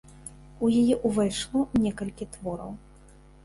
У яе ўвайшло некалькі твораў.